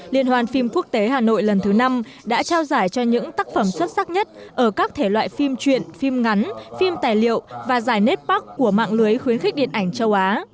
liên hoàn phim quốc tế hà nội lần thứ năm đã trao giải cho những tác phẩm xuất sắc nhất ở các thể loại phim truyện phim ngắn phim tài liệu và giải net park của mạng lưới khuyến khích điện ảnh châu á